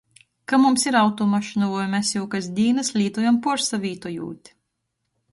Ka mums ir automašyna voi mes jū kasdīnys lītojam puorsavītojūt.